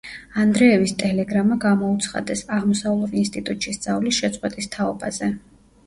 ანდრეევის ტელეგრამა გამოუცხადეს, აღმოსავლურ ინსტიტუტში სწავლის შეწყვეტის თაობაზე.